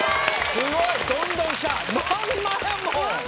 すごい！どんどん来た！